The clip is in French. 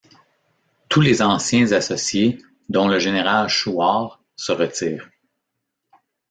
Tous les anciens associés, dont le général Chouard, se retirent.